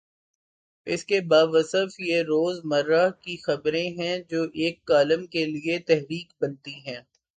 اس کے باوصف یہ روز مرہ کی خبریں ہیں جو ایک کالم کے لیے تحریک بنتی ہیں۔